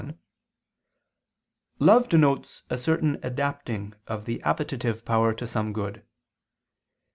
1), love denotes a certain adapting of the appetitive power to some good.